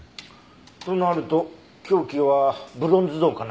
となると凶器はブロンズ像かなんか？